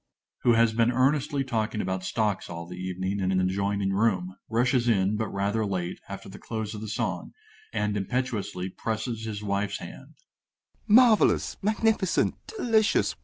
GOLD (_who has been earnestly talking about stocks all the evening in an adjoining room, rushes in, but rather late, after the close of the song, and impetuously presses his wife's hand_). Marvellous! magnificent! delicious!